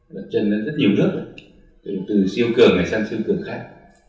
bật chân đến rất nhiều nước từ siêu cường này sang siêu cường khác